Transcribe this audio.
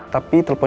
ruby cuma sebut